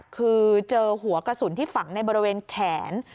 คือเจอหัวกระสุนที่ฝังในบริเวณแขน